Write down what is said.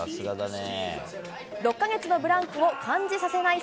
６か月のブランクを感じさせない